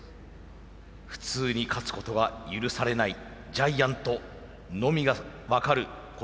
普通に勝つことは許されないジャイアントのみが分かる孤独です。